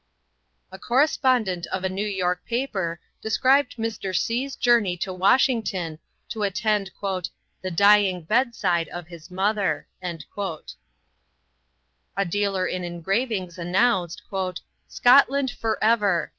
A correspondent of a New York paper described Mr. C.'s journey to Washington to attend "the dying bedside of his mother." A dealer in engravings announced: "'Scotland Forever.'